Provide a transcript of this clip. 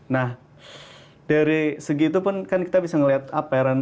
nah dari segitu pun kan kita bisa ngeliat apa ya